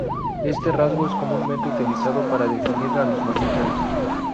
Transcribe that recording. Este rasgo es comúnmente utilizado para definir a los mamíferos.